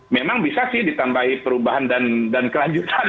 memang bisa sih ditambahi perubahan dan kelanjutan